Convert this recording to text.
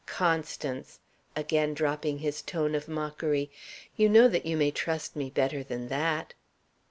Constance!" again dropping his tone of mockery, "you know that you may trust me better than that."